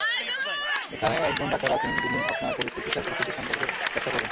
এখানে একজন ডাক্তার আছেন যিনি আপনার চিকিৎসার পরিস্থিতি সম্পর্কে ব্যাখ্যা করবেন।